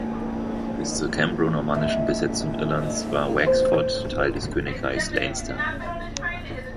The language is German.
Bis zur cambro-normannischen Besetzung Irlands war Wexford Teil des Königreichs Leinster.